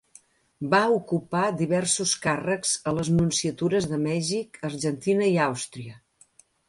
Va ocupar diversos càrrecs a les nunciatures de Mèxic, Argentina i Àustria.